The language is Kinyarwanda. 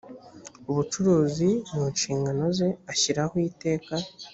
ubucuruzi mu nshingano ze ashyiraho iteka